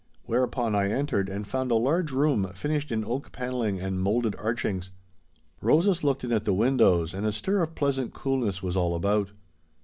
Whereupon I entered and found a large room finished in oaken panelling and moulded archings. Roses looked in at the windows, and a stir of pleasant coolness was all about.